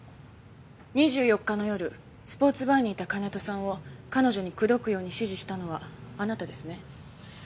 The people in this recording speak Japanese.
２４日の夜スポーツバーにいた金戸さんを彼女に口説くように指示したのはあなたですね？